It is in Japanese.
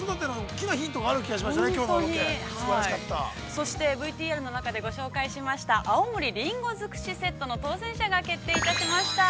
そしてＶＴＲの中でご紹介しました「青森リンゴ尽くしセット」の当選者が決定いたしました。